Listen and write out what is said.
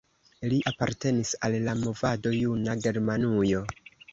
Li apartenis al la movado Juna Germanujo.